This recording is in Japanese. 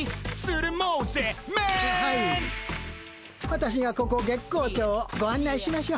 私がここ月光町をご案内しましょう。